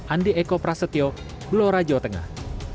andi eko prasetyo blora jawa tengah